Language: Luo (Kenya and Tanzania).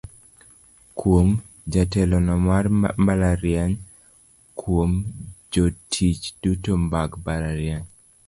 Kuom: Jatelono mar mbalariany Kuom: Jotich duto mag mbalariany.